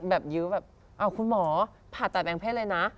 พ่อก็แบบยื้อแบบคุณหมอผ่าจัดแบ่งแพทย์เลยนะ